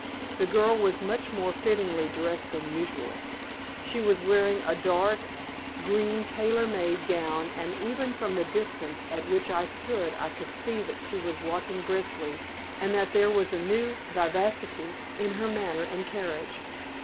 The girl was much more fittingly dressed than usual. She was wearing a dark green tailor made gown, and even from the distance at which I stood I could see that she was walking briskly, and that there was a new vivacity in her manner and carriage.